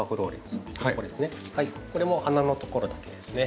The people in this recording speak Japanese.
これも花のところだけですね。